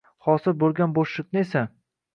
hosil bo‘lgan bo‘shliqni esa